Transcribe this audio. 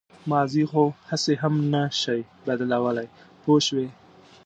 ماضي خو هسې هم نه شئ بدلولی پوه شوې!.